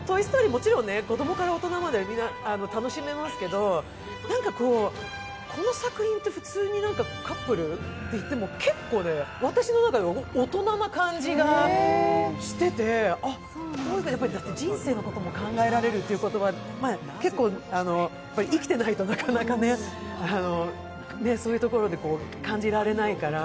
もちろん子供から大人まで皆楽しめますけどこの作品って普通に、カップルで行っても結構ね、私の中では大人な感じがしてて、人生のことも考えられるというとことは、生きていないとなかなかそういうところで感じられないから。